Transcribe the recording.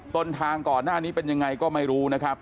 ต้นทางก่อนหน้านี้เป็นยังไงก็ไม่รู้นะครับ